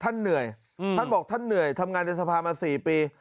เหนื่อยท่านบอกท่านเหนื่อยทำงานในสภามา๔ปี